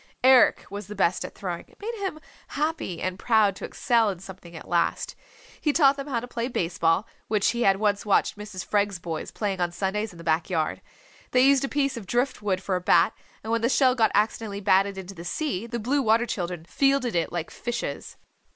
Eric was the best at throwing. It made him happy and proud to excel in something at last. He taught them how to play base ball, which he had once watched Mrs. Freg's boys playing on Sundays in the back yard. They used a piece of drift wood for a bat, and when the shell got accidentally batted into the sea the Blue Water Children fielded it like fishes.